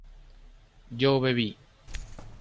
yo bebí